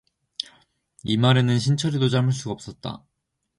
이 말에는 신철이도 참을 수가 없었다.